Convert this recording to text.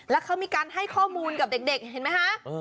แล้วเขามีการให้ข้อมูลกับเด็กเห็นไหมคะ